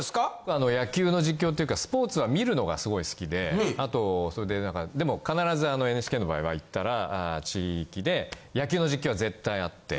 あの野球の実況っていうかスポーツは見るのがすごい好きであとそれでなんかでも必ずＮＨＫの場合はいったら野球の実況は絶対あって。